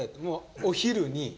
お昼に。